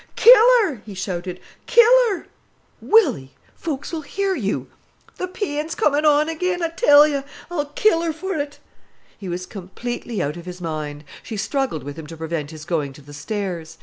Kill her!" he shouted, "kill her." "Willy, folks'll hear you." "Th' peen's commin' on again, I tell yer. I'll kill her for it." He was completely out of his mind. She struggled with him to prevent his going to the stairs.